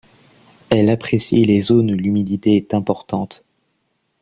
Elle apprécie les zones où l'humidité est importante.